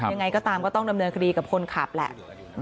ยังไงก็ตามก็ต้องดำเนินคดีกับคนขับแหละ